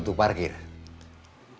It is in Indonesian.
ya ada tiga orang